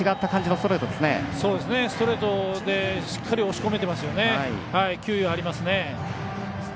ストレートでしっかり押し込めてますよね。